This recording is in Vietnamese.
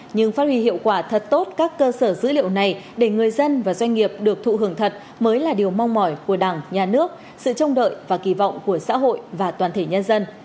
nhưng phát huy hiệu quả thật tốt các cơ sở dữ liệu này để người dân và doanh nghiệp được thụ hưởng thật mới là điều mong mỏi của đảng nhà nước sự trông đợi và kỳ vọng của xã hội và toàn thể nhân dân